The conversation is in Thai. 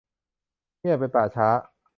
เงียบเป็นป่าช้า